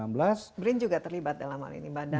brin juga terlibat dalam hal ini badan riset inovasi